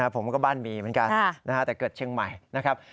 ผมก็บ้านมีเหมือนกันแต่เกิดเชียงใหม่นะครับ